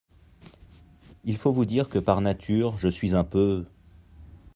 Il faut vous dire que par nature, je suis un peu…